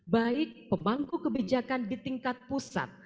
baik pemangku kebijakan di tingkat pusat